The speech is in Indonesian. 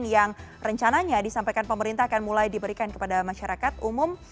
yang rencananya disampaikan pemerintah akan mulai diberikan kepada masyarakat umum